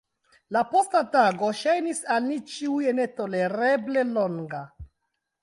La posta tago ŝajnis al ni ĉiuj netolereble longa.